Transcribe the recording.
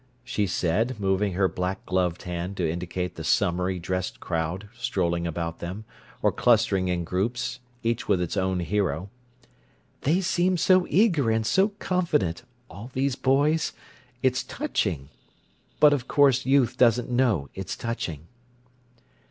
she said, moving her black gloved hand to indicate the summery dressed crowd strolling about them, or clustering in groups, each with its own hero. "They seem so eager and so confident, all these boys—it's touching. But of course youth doesn't know it's touching."